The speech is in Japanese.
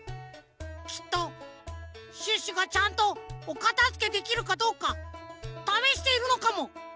きっとシュッシュがちゃんとおかたづけできるかどうかためしているのかも！